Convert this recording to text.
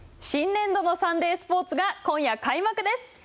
新年度のサンデースポーツが今夜開幕です。